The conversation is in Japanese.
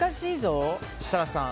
設楽さん